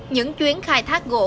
những chuyến khai thác gỗ